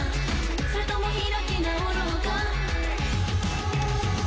それとも開き直ろうか？